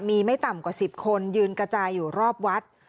มีไม่ต่ำกว่า๑๐คนยืนกระจายอยู่รอบวัด